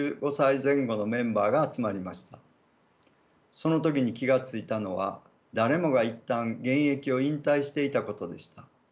その時に気が付いたのは誰もが一旦現役を引退していたことでした。